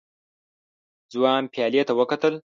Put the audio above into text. ځوان پيالې ته وکتل.